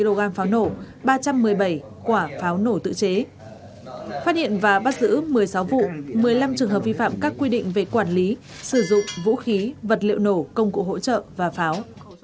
hai mươi kg pháo nổ ba trăm một mươi bảy quả pháo nổ tự chế phát hiện và bắt giữ một mươi sáu vụ một mươi năm trường hợp vi phạm các quy định về quản lý sử dụng vũ khí vật liệu nổ công cụ hỗ trợ và pháo